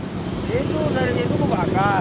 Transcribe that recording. itu dari situ bakar